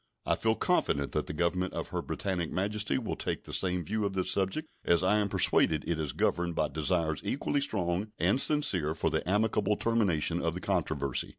I feel confident that the Government of Her Britannic Majesty will take the same view of this subject, as I am persuaded it is governed by desires equally strong and sincere for the amicable termination of the controversy.